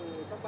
đùm lá rách